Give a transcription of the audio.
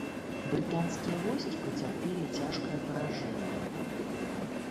Брытанскія войскі пацярпелі цяжкае паражэнне.